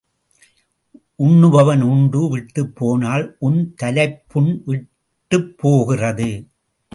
உண்ணுபவன் உண்டு விட்டுப் போனால் உன் தலைப்புண் விட்டுப்போகிறது.